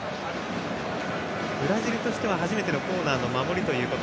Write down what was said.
ブラジルとしては初めてのコーナーの守り。